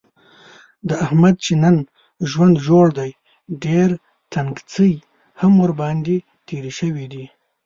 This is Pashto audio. د احمد چې نن ژوند جوړ دی، ډېر تنګڅۍ هم ورباندې تېرې شوي دي.